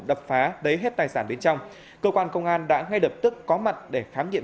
đập phá lấy hết tài sản bên trong cơ quan công an đã ngay lập tức có mặt để khám nghiệm